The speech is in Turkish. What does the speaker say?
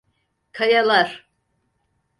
Kayalar!